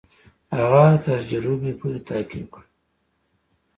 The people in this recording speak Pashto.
هغه تر جروبي پوري تعقیب کړ.